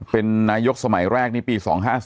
เป็นนายกสมัยแรกนี่ปี๒๕๔